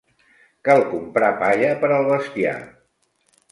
Cal comprar palla per al bestiar.